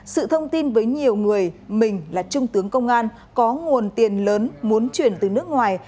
sự thông tin với nhiều người mình là trung tướng công an có nguồn tiền lớn muốn chuyển từ nước ngoài